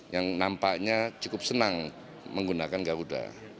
yang nampaknya cukup senang menggunakan garuda